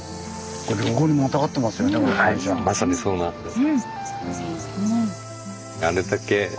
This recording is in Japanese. まさにそうなんです。